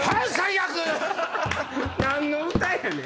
何の歌やねん！